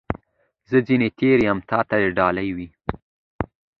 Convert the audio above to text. زه ځني تېر یم ، تا ته دي ډالۍ وي .